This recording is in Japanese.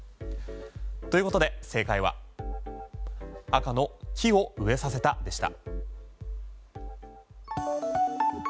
ということで正解は赤の木を植えさせたでした。